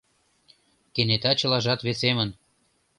Кенета чылажат весемын.